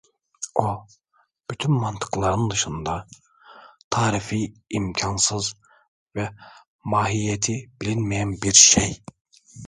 O, bütün mantıkların dışında, tarifi imkânsız ve mahiyeti bilinmeyen bir şey.